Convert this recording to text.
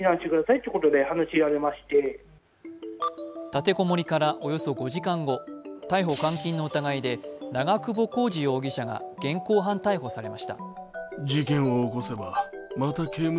立て籠もりからおよそ５時間後、逮捕・監禁の疑いで長久保浩二容疑者が現行犯逮捕されました。